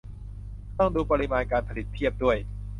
ต้องดูปริมาณการผลิตเทียบด้วย